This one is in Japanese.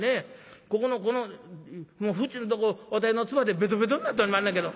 ここのこのもう縁んとこ私の唾でベトベトになっておりまんねんけど。